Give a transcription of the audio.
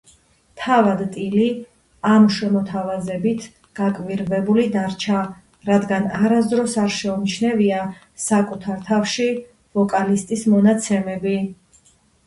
თავად ტილი ამ შემოთავაზებით გაკვირვებული დარჩა, რადგან არასდროს არ შეუმჩნევია საკუთარ თავში ვოკალისტის მონაცემები.